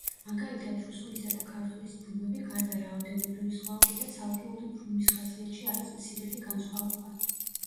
მაგალითად, რუსულისა და ქართულის ბრუნვები, გარდა რაოდენობრივი სხვაობისა, ცალკეული ბრუნვის ხასიათში არის მცირედი განსხვავება.